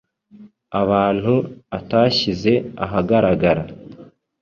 abantu atashyize ahagaragara